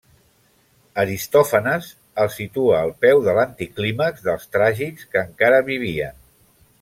Aristòfanes el situa al peu de l'anticlímax dels tràgics que encara vivien.